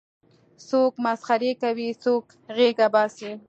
څوک مسخرې کوي څوک غېږه باسي.